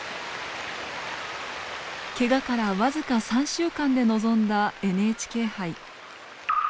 けがから僅か３週間で臨んだＮＨＫ杯。